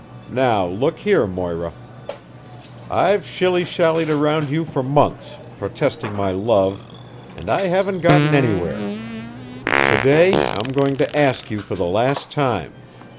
Now, look here, Moira. I've shilly shallied around you for months, protesting my love, and I haven't gotten anywhere. To day I'm going to ask you for the last time.